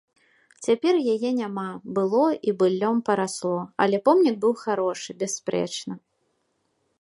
Цяпер яе няма, было і быллём парасло, але помнік быў харошы, бясспрэчна.